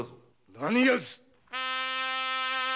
何やつ！